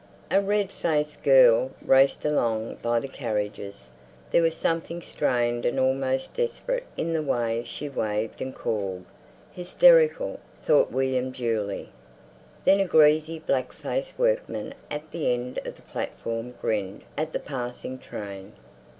A red faced girl raced along by the carriages, there was something strained and almost desperate in the way she waved and called. "Hysterical!" thought William dully. Then a greasy, black faced workman at the end of the platform grinned at the passing train.